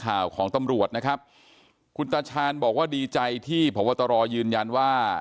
ข่าวของตำรวจนะครับคุณตาชาญบอกว่าดีใจที่พบตรยืนยันว่า